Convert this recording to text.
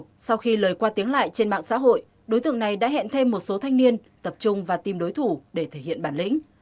sau khi lời qua tiếng lại trên mạng xã hội đối tượng này đã hẹn thêm một số thanh niên tập trung và tìm đối thủ để thể hiện bản lĩnh